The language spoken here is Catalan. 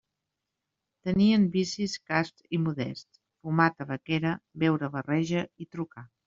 Tenien vicis casts i modests: fumar tabaquera, beure barreja i trucar.